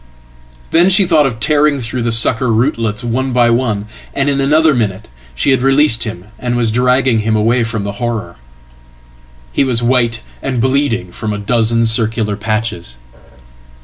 Then she thought of tearing through the sucker rootlets one by one, and inanother minute she had released him and was dragging him away from thehorror. He was white and bleeding from a dozen circular patches.